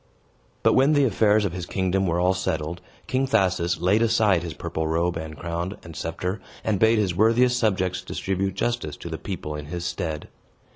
But when the affairs of his kingdom were all settled, King Thasus laid aside his purple robe and crown, and sceptre, and bade his worthiest subjects distribute justice to the people in his stead.